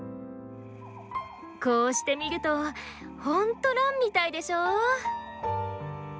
こうして見ると本当ランみたいでしょ。